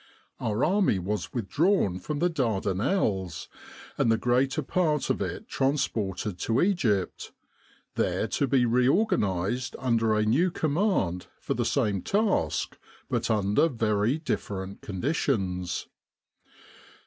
Our army was with drawn from the Dardanelles, and the greater part of it transported to Egypt, there to be reorganised under a new command for the same task but under very different conditions.